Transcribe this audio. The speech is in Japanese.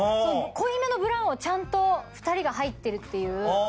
濃いめのブラウンをちゃんと２人が入ってる。